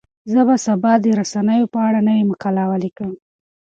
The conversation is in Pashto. زه به سبا د رسنیو په اړه نوې مقاله ولیکم.